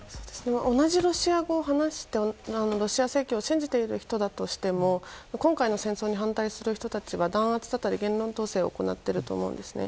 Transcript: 同じロシア語を話してロシア正教を信じている人だとしても今回の戦争に反対する人たちは弾圧だったり言論統制を行っていると思うんですね。